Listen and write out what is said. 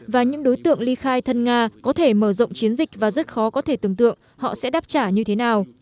và những đối tượng ly khai thân nga có thể mở rộng chiến dịch và rất khó có thể tưởng tượng họ sẽ đáp trả như thế nào